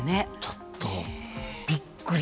ちょっとびっくり。